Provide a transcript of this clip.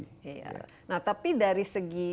iya nah tapi dari segi